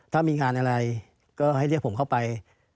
ถ้ามีงานอะไรก็ให้เรียกผมเข้าไป